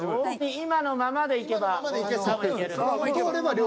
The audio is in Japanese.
今のままでいけば多分いける。